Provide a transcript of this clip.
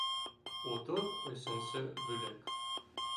Утыҙ өсөнсө бүлек